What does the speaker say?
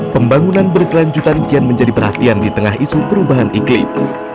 pembangunan berkelanjutan kian menjadi perhatian di tengah isu perubahan iklim